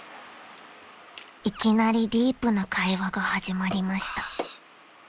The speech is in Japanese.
［いきなりディープな会話が始まりました］